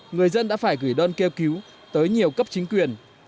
người dân đã phải gửi đơn kêu cứu tới nhiều cấp chính quyền